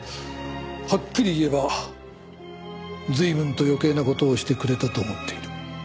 はっきり言えば随分と余計な事をしてくれたと思っている。